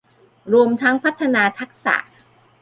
รวมทั้งพัฒนาทักษะ